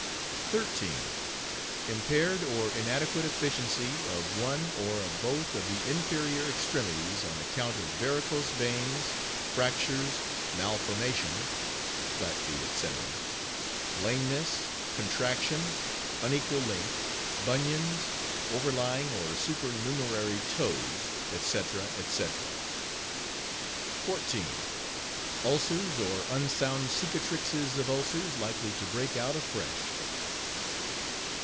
13. Impaired or inadequate efficiency of one or of both of the inferior extremities on account of varicose veins, fractures, malformation (flat feet, etc.), lameness, contraction, unequal length, bunions, overlying or supernumerary toes, etc., etc. 14. Ulcers, or unsound cicatrices of ulcers likely to break out afresh.